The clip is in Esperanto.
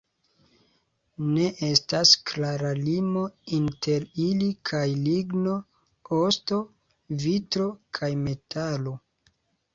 Ne estas klara limo inter ili kaj ligno, osto, vitro kaj metalo.